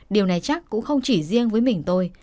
điều này chắc cũng không chỉ riêng với mình tôi